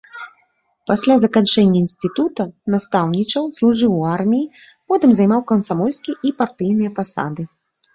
Пасля заканчэння інстытута настаўнічаў, служыў у арміі, потым займаў камсамольскія і партыйныя пасады.